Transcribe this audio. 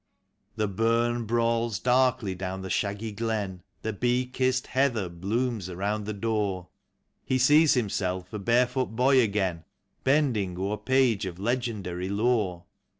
''FIGHTING mac:' 67 The burn brawls darkl} down tlie shaggy glen, The bee kissed heather blooms around the door; He sees himself a barefoot boy again, Bending o'er page of legendary lore.